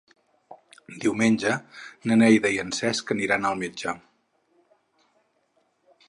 Diumenge na Neida i en Cesc aniran al metge.